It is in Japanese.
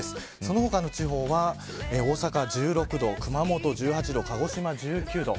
その他の地方は大阪１６度、熊本１８度鹿児島１９度。